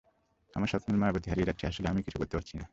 আমার স্বপ্নিল মায়াবতী হারিয়ে যাচ্ছে আসলেই আমি কিছুই করতে পারছি না।